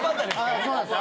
はいそうなんです。